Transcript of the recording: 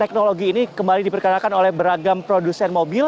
teknologi ini kembali diperkenalkan oleh beragam produsen mobil